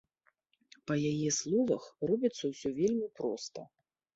Па яе словах, робіцца ўсё вельмі проста.